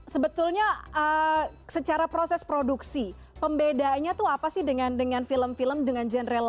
sebetulnya secara proses produksi pembedanya tuh apa sih dengan film film dengan genre lampu